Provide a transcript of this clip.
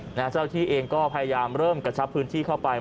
เจ้าหน้าที่เองก็พยายามเริ่มกระชับพื้นที่เข้าไป